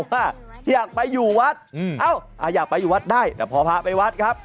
ว่าอยากไปอยู่วัดอยากไปอยู่วัดได้แต่พอพาไปวัดครับ